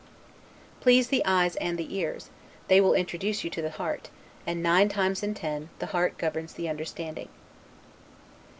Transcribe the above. Please the eyes and the ears, they will introduce you to the heart; and nine times in ten, the heart governs the understanding.